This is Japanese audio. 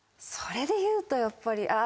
それでいうとやっぱり。